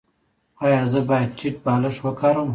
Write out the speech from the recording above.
ایا زه باید ټیټ بالښت وکاروم؟